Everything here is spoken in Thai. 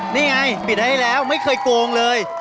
นี่ไงปิดให้แล้วไม่เคยโกงเลย